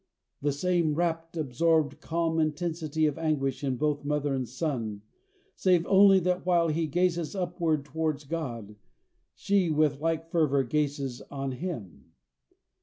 The same rapt, absorbed, calm intensity of anguish in both mother and son, save only that while he gazes upward towards God, she, with like fervor, gazes on him.